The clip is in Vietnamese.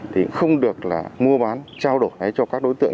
thì không được là mua bán trao đổi cho các đối tượng